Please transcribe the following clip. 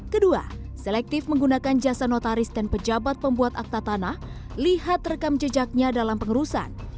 kedua selektif menggunakan jasa notaris dan pejabat pembuat akta tanah lihat rekam jejaknya dalam pengurusan